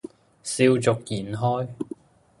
笑逐言開